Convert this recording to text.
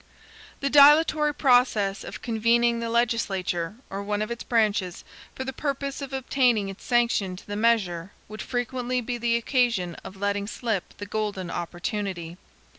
The dilatory process of convening the legislature, or one of its branches, for the purpose of obtaining its sanction to the measure, would frequently be the occasion of letting slip the golden opportunity.